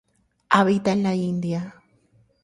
Habita en la India